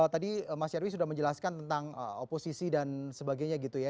tadi mas yarwi sudah menjelaskan tentang oposisi dan sebagainya gitu ya